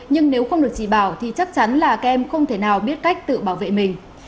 nhưng nếu không được chỉ bảo thì chắc chắn là các em không thể nào biết cách tự bảo vệ mình